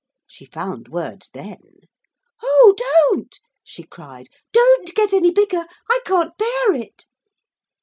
She found words then. 'Oh, don't!' she cried. 'Don't get any bigger. I can't bear it.'